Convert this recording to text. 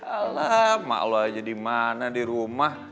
alah emak lu aja di mana di rumah